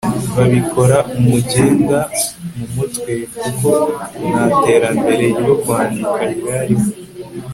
babikora umugenda (mu mutwe) kuko ntaterambere ryo kwandika ryariho